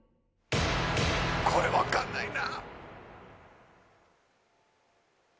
これ分かんないな。